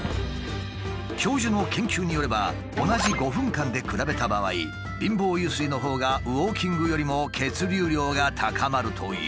教授の研究によれば同じ５分間で比べた場合貧乏ゆすりのほうがウォーキングよりも血流量が高まるという。